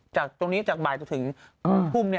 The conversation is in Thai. จากตรงนี้จากบ่ายจนถึงทุ่ม